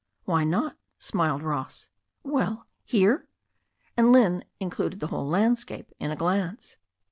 Why not?" smiled Ross. 'Well, here," and Lynne included the whole landscape in a glance.